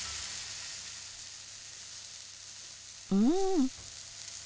うん。